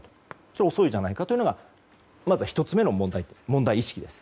それは遅いじゃないかというのがまずは１つ目の問題意識です。